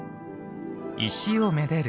「石を愛でる」